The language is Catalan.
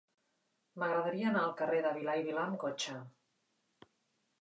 M'agradaria anar al carrer de Vila i Vilà amb cotxe.